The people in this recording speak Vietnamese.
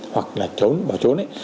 hoặc là trốn vào trốn ấy